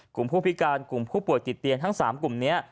ผู้พิการกลุ่มผู้ป่วยติดเตียงทั้ง๓กลุ่มนี้